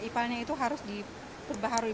ipalnya itu harus diperbaharui